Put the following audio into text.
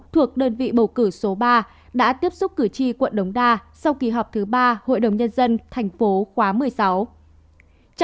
thuộc đơn vị bầu cử số ba đã tiếp xúc cử tri quận đống đa sau kỳ họp thứ ba hội đồng nhân dân tp khóa một mươi sáu